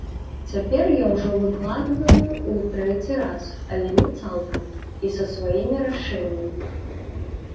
Цяпер я ўжо выкладваю ў трэці раз, але не цалкам і са сваімі рашэннямі.